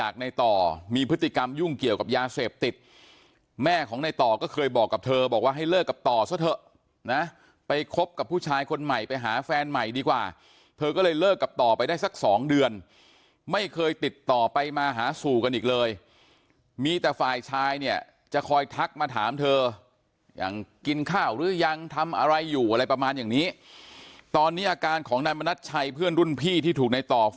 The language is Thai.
ในต่อมีพฤติกรรมยุ่งเกี่ยวกับยาเสพติดแม่ของในต่อก็เคยบอกกับเธอบอกว่าให้เลิกกับต่อซะเถอะนะไปคบกับผู้ชายคนใหม่ไปหาแฟนใหม่ดีกว่าเธอก็เลยเลิกกับต่อไปได้สักสองเดือนไม่เคยติดต่อไปมาหาสู่กันอีกเลยมีแต่ฝ่ายชายเนี่ยจะคอยทักมาถามเธอยังกินข้าวหรือยังทำอะไรอยู่อะไรประมาณอย่างนี้ตอนนี้อาการของนายมณัชชัยเพื่อนรุ่นพี่ที่ถูกในต่อ